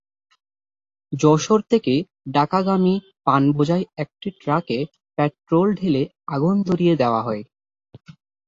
যশোর থেকে ঢাকাগামী পানবোঝাই একটি ট্রাকে পেট্রল ঢেলে আগুন ধরিয়ে দেওয়া হয়।